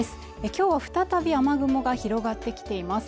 きょうは再び雨雲が広がってきています